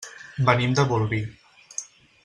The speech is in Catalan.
Venim de Bolvir.